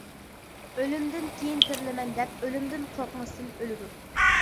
ئۆلۈمدىن كېيىن تىرىلىمەن دەپ، ئۆلۈمدىن قورقماستىن ئۆلىدۇ.